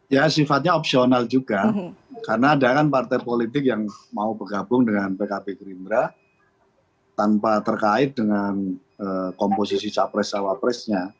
ya sifatnya opsional juga karena ada kan partai politik yang mau bergabung dengan pkb gerindra tanpa terkait dengan komposisi capres cawapresnya